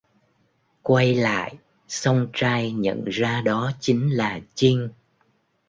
Quay lại song trai nhận ra đó chính là Chinh